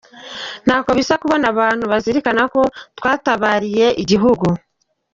Ntako bisa kubona abantu bazirikana ko twatabariye igihugu”.